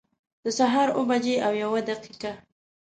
د سهار اوه بجي او یوه دقيقه